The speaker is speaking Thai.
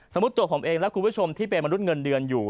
ตัวผมเองและคุณผู้ชมที่เป็นมนุษย์เงินเดือนอยู่